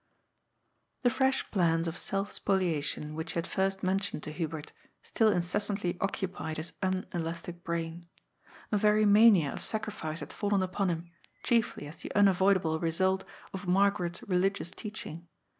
The fresh plans of self spoliation which he had first mentioned to Hubert, still incessantly occupied his unelas tic brain. A very mania of sacrifice had fallen upon him, chiefly as the unavoidable result of Margaret's religious teaching.